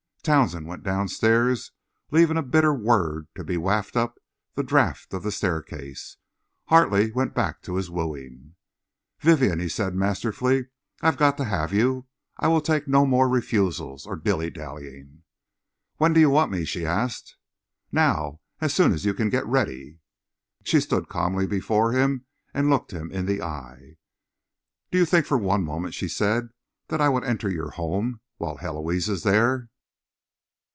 Townsend went downstairs, leaving a bitter word to be wafted up the draught of the staircase. Hartley went back to his wooing. "Vivienne," said he, masterfully. "I have got to have you. I will take no more refusals or dilly dallying." "When do you want me?" she asked. "Now. As soon as you can get ready." She stood calmly before him and looked him in the eye. "Do you think for one moment," she said, "that I would enter your home while Héloise is there?"